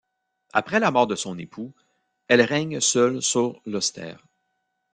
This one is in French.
Après la mort de son époux, elle règne seule sur l’Ulster.